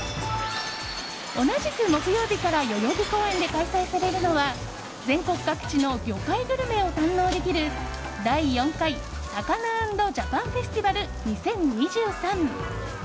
同じく木曜日から代々木公園で開催されるのは全国各地の魚介グルメを堪能できる第４回ＳＡＫＡＮＡ＆ＪＡＰＡＮＦＥＳＴＩＶＡＬ２０２３。